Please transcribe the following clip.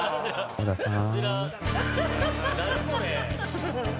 小田さん。